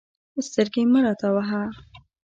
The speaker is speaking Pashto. سترګې مه راته وهه.